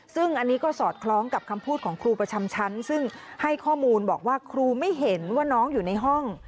ซึ่งอันนี้ก็สอดคล้องกับคำพูดของครูประจำชั้นซึ่งให้ข้อมูลบอกว่าครูไม่เห็นว่าน้องอยู่ในห้อง